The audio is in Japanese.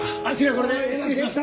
これで失礼します。